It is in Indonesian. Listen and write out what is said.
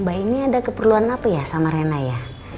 bayi ini ada keperluan apa ya sama rena ya